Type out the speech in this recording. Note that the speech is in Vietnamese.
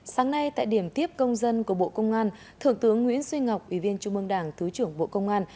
sáng nay tại điểm tiếp công dân của bộ công an thượng tướng nguyễn duy ngọc ủy viên trung mương đảng thứ trưởng bộ công an